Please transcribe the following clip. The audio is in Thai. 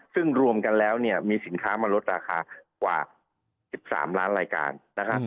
ซึ่งรวมกันแล้วเนี่ยมีสินค้ามาลดราคากว่า๑๓ล้านรายการนะครับ